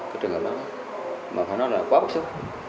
cái trường hợp đó mà phải nói là quá bức xúc